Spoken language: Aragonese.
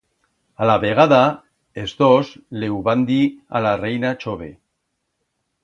Alavegada els dos le hu van dir a la Reina chove.